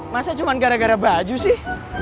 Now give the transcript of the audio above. masa cuma gara gara baju sih